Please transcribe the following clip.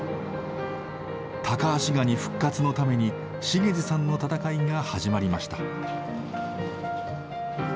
タカアシガニ復活のために茂司さんの闘いが始まりました。